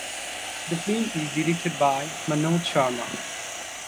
The film is Directed by Manoj Sharma.